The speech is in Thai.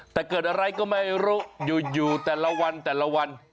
แต่เกิดอะไรก็ไม่รู้อยู่แต่ละวัน